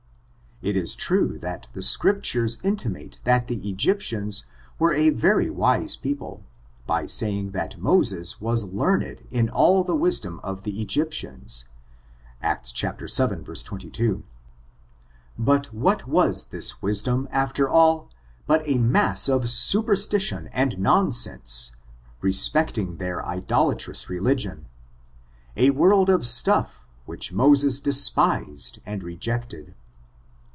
It is true that the Scrip tures intimate that the Egyptians were a very wise people, by saying that Moses was learned in all the wisdom of the Egyptians ; Acts vii, 22. But what was this wisdom after all, but a mass of superstition and nonsense, respecting their idolatrous religion, a ' world of stuff, which Moses despised and rejected.